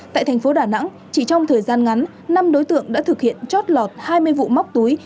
tại thành phố đà nẵng chỉ trong thời gian ngắn năm đối tượng đã thực hiện chót lọt hai mươi vụ móc túi